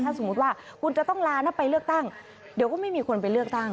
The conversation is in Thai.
ถ้าสมมุติว่าคุณจะต้องลานะไปเลือกตั้งเดี๋ยวก็ไม่มีคนไปเลือกตั้ง